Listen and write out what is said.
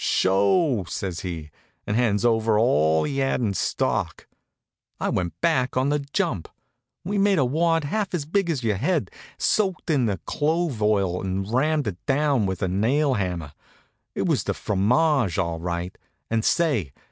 "Sho!" says he, and hands over all he had in stock. I went back on the jump. We made a wad half as big as your head, soaked it in the clove oil and rammed it down with a nail hammer. It was the fromage, all right. And say!